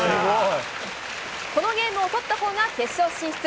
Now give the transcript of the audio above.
このゲームを取ったほうが決勝進出。